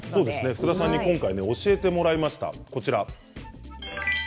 福田さんに今回、教えてもらいました。